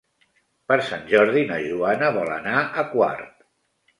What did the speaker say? Per Sant Jordi na Joana vol anar a Quart.